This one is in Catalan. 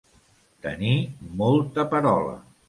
Tenir molta parola.